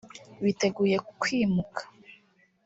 biteguye kwimuka